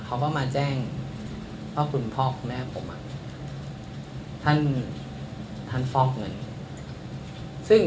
เขาก็มาแจ้งว่าคุณพ่อคุณแม่ผมท่านฟอกเงินซึ่ง